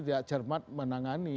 tidak cermat menangani